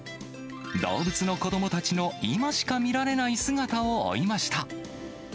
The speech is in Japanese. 動物の子どもたちの今しか見られない姿を追いました。